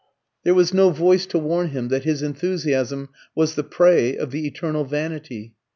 There was no voice to warn him that his enthusiasm was the prey of the eternal vanity.